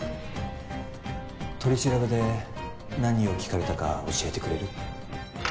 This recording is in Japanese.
取り調べで何を聞かれたか教えてくれる？